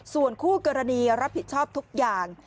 ส่วนคู่กรณีรับผิดชอบทุกอย่าง